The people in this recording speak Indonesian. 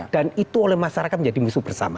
dan itu oleh masyarakat menjadi musuh bersama